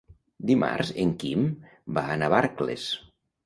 Dimarts en Quim va a Navarcles.